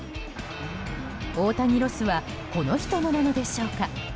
大谷ロスはこの人もなのでしょうか。